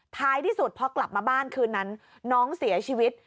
ท้ายที่สุดพอกลับมาบ้านคืนนั้นน้องเสียชีวิต